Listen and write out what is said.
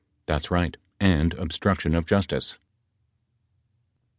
That's right, and obstruction of justice.